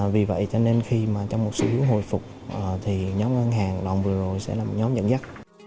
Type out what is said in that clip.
vì vậy cho nên khi trong một sự hồi phục thì nhóm ngân hàng đoạn vừa rồi sẽ là nhóm dẫn dắt